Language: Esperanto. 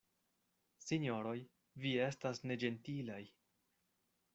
Sinjoroj, vi estas neĝentilaj.